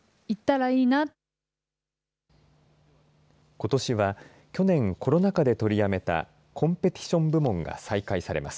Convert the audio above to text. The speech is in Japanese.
ことしは去年コロナ禍で取りやめたコンペティション部門が再開されます。